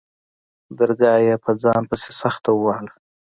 درگاه يې په ځان پسې سخته ووهله.